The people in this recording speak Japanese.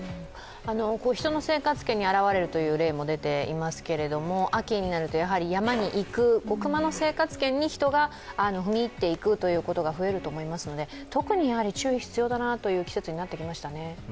人の生活圏に現れるという例も出ていますけども、秋になるとやはり山に行く熊の生活圏に人が踏み入っていくということが増えると思いますので、特に注意が必要だなという季節になってきましたね。